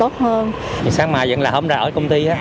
sáng mai vẫn là hôm ra ở công ty